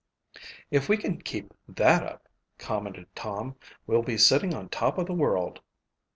"If we can keep that up," commented Tom, "we'll be sitting on top of the world."